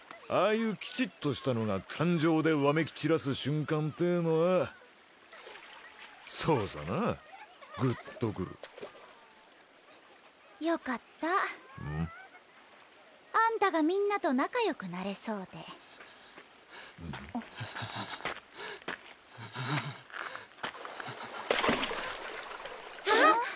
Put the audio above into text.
ああいうきちっとしたのが感情でわめき散らす瞬間ってえのはそうさなあグッとくるよかったあんたがみんなと仲良くなれそうではあはあはああっ！